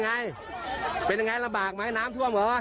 นี่ประชดใช่มั้ย